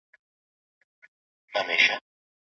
ورزش د ټولو لپاره د سوله ییز ژوند وسیله ده.